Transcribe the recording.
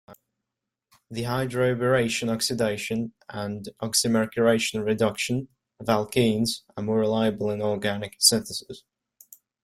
The hydroboration-oxidation and oxymercuration-reduction of alkenes are more reliable in organic synthesis.